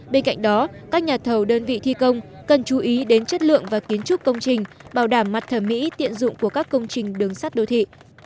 bên cạnh đó các nhà thầu đơn vị thi công cần chú ý đến chất lượng và kiến trúc công trình bảo đảm mặt thẩm mỹ tiện dụng của các công trình đường sắt đô thị